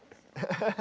ハハハハ。